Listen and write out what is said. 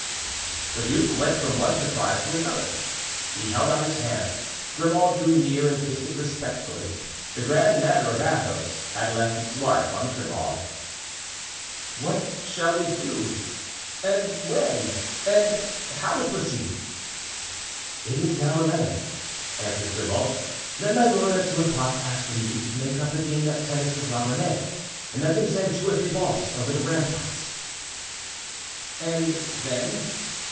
The duke went from one surprise to another. He held out his hand. Grimaud drew near and kissed it respectfully. The grand manner of Athos had left its mark on Grimaud. "What shall we do? and when? and how proceed?" "It is now eleven," answered Grimaud. "Let my lord at two o'clock ask leave to make up a game at tennis with La Ramee and let him send two or three balls over the ramparts." "And then?"